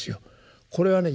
これはね